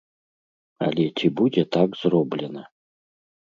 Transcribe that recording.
Але ці будзе так зроблена?